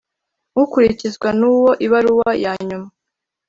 Ukurikizwa n uwo ibaruwa ya nyuma